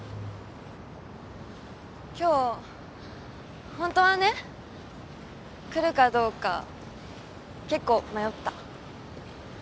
今日ホントはね来るかどうか結構迷った。